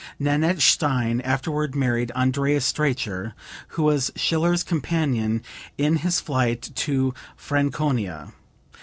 Nanette Stein afterward married Andreas Streicher, who was Schiller's companion in his flight to Franconia.